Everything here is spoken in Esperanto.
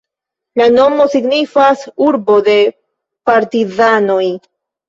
La nomo signifas "urbo de partizanoj".